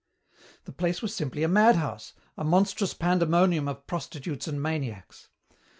The place was simply a madhouse, a monstrous pandemonium of prostitutes and maniacs.